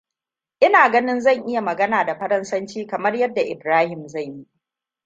Ina ganin zan iya magana da faransanci kamar yadda Ibrahim zai yi.